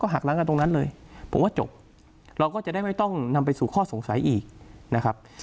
หักล้างกันตรงนั้นเลยผมว่าจบเราก็จะได้ไม่ต้องนำไปสู่ข้อสงสัยอีกนะครับ